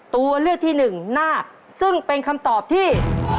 ตัวเลือกที่หนึ่งนาคซึ่งเป็นคำตอบที่